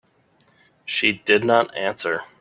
She did not answer.